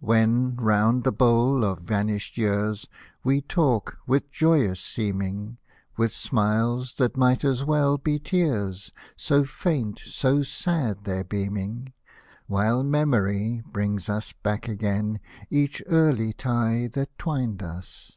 When, round the bowl, of vanished years We talk, with joyous seeming, — With smiles that might as well be tears. So faint, so sad their beaming ; While memory brings us back again Each early tie that twined us.